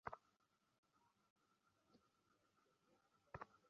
তিনি সফল গীতিকারও ছিলেন।